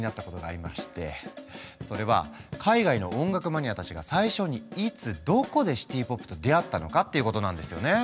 それは海外の音楽マニアたちが最初にいつどこでシティ・ポップと出会ったのかっていうことなんですよね。